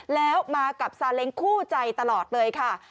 แล้วมากับซาเล้งคู่ใจตลอดเลยค่ะ